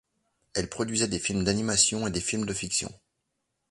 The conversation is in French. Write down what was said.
Elle produisait des films d'animation et des films de fiction.